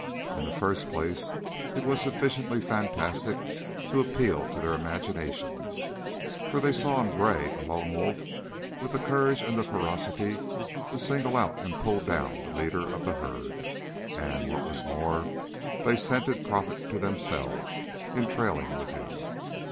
In the first place, it was sufficiently fantastic to appeal to their imaginations, for they saw in Gray a lone wolf with the courage and the ferocity to single out and pull down the leader of the herd, and, what was more, they scented profit to themselves in trailing with him.